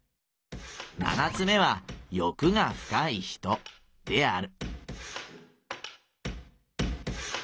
七つ目は欲が深い人である」。